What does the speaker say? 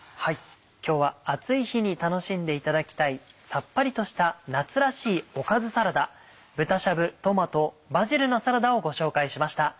今日は暑い日に楽しんでいただきたいさっぱりとした夏らしいおかずサラダ「豚しゃぶトマトバジルのサラダ」をご紹介しました。